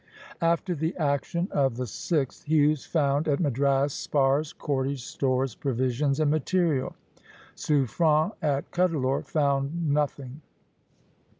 After the action of the 6th, Hughes found at Madras spars, cordage, stores, provisions, and material. Suffren at Cuddalore found nothing.